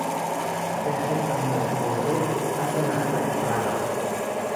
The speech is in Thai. ได้ให้กำเนิดโอรสลักษณะแปลกประหลาด